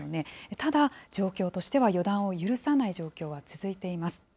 ただ、状況としては予断を許さない状況は続いています。